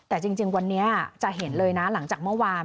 แต่จริงวันนี้จะเห็นเลยนะหลังจากเมื่อวาน